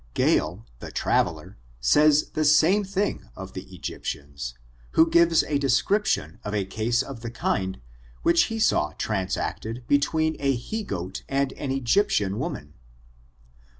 Gale, the travekr, says the saine thing t)f the Egyptisins; who gives a description of a case of the kind, which he saw transacted between a he goat and an Egyptian woman.